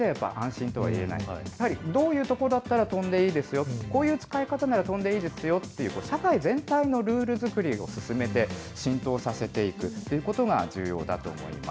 やはりどういうとこだったら飛んでいいですよ、こういう使い方なら飛んでいいですよという社会全体のルール作りを進めて、浸透させていくということが重要だと思います。